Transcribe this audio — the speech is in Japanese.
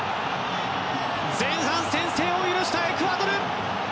前半先制を許したエクアドル。